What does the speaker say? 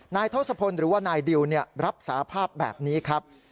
นายทศพลรฟ์หรือว่านายดิวเนี่ยรับสภาพแบบนี้ครับ